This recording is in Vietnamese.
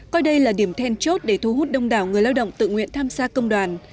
coi đây là điểm then chốt để thu hút đông đảo người lao động tự nguyện tham gia công đoàn